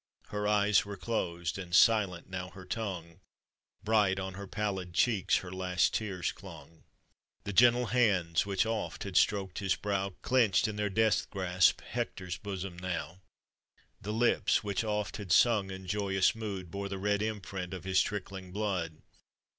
Her eyes were closed, and silent now her tongue ; 28 Bright on her pallid cheeks her last lean clung, The gentle hands, which oft had stroked bit brow, Clenched in their death grasp Hector's botom now; The lips which oft had sung in joyous mood, Bore the red imprint of his trickling blood.